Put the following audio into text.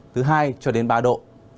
từ hai cho đến ba độ